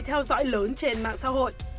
theo dõi lớn trên mạng xã hội